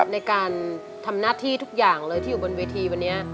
ในการทำหน้าที่ทุกอย่างเลยที่อยู่บนเวทีวันนี้